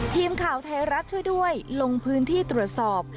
ทีมข่าวไทยรัฐช่วยด้วยลงพื้นที่ตรวจสอบ